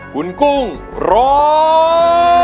คุณกุ้งร้อง